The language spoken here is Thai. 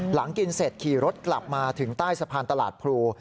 หลังกินเสร็จขี่รถกลับมาถึงใต้สะพานตลาดพลู